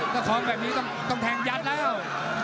ถ้าคล้องแบบนี้ต้องแทงยัดแล้ว